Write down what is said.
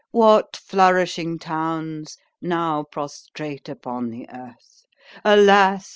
—What flourishing towns now prostrate upon the earth! Alas!